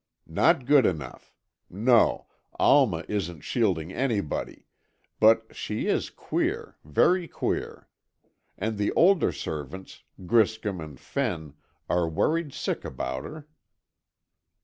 "Not good enough. No, Alma isn't shielding anybody, but she is queer, very queer. And the older servants, Griscom and Fenn, are worried sick about her."